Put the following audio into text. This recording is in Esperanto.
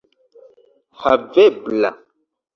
havebla